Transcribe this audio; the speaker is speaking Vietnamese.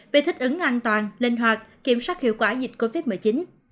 về thích ứng an toàn linh hoạt kiểm soát hiệu quả dịch covid một mươi chín